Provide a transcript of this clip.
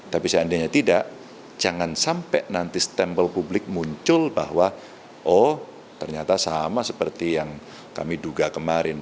tapi seandainya tidak jangan sampai nanti stempel publik muncul bahwa oh ternyata sama seperti yang kami duga kemarin